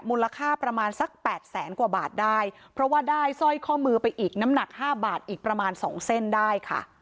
มูลค่าประมาณสักแปดแสนกว่าบาทได้เพราะว่าได้สร้อยข้อมือไปอีกน้ำหนักห้าบาทอีกประมาณสองเส้นได้ค่ะ